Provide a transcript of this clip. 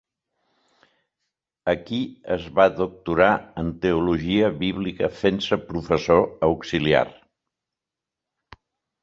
Aquí es va doctorar en Teologia Bíblica, fent-se professor auxiliar.